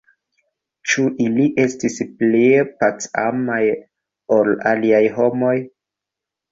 Ĉu ili estis pli pac-amaj ol aliaj homoj?